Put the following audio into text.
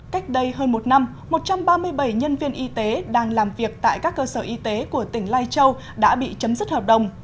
cách đây hơn một năm một trăm ba mươi bảy nhân viên y tế đang làm việc tại các cơ sở y tế của tỉnh lai châu đã bị chấm dứt hợp đồng